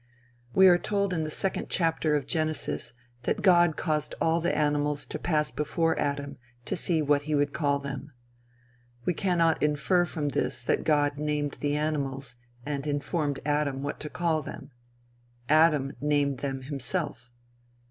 We are told in the second chapter of Genesis that God caused all the animals to pass before Adam to see what he would call them. We cannot infer from this that God named the animals and informed Adam what to call them. Adam named them himself.